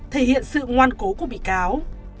thể hiện sự ngoan cố của bị cáo